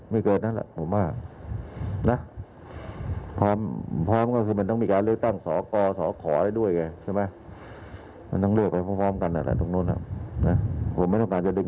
ไม่เกินกลางปีนี้แล้วมั้ง